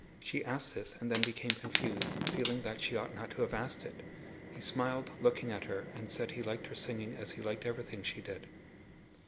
She asked this and then became confused, feeling that she ought not to have asked it. He smiled, looking at her, and said he liked her singing as he liked everything she did.